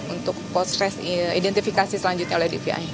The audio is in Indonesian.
untuk postress identifikasi selanjutnya oleh dvi